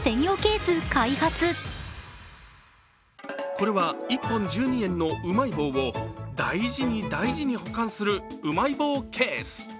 これは１本１２円のうまい棒を大事に大事に保管するうまい棒ケース。